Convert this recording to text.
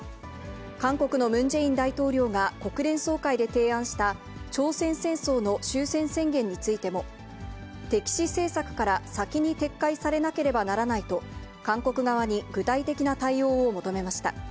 韓国のムン・ジェイン大統領が国連総会で提案した朝鮮戦争の終戦宣言についても、敵視政策から先に撤回されなければならないと、韓国側に具体的な対応を求めました。